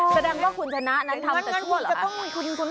แสดงว่าคุณชนะนะทำแต่ชั่วหรือ